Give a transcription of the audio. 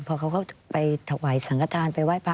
พอเขาก็ไปถวายสังกฐานไปไหว้พระ